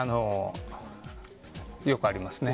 よくありますね。